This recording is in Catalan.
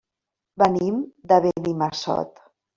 Venim de Benimassot.